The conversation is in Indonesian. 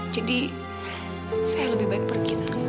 jadi saya lebih baik pergi tante